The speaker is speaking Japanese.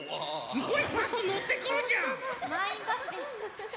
すごいのってくるじゃん。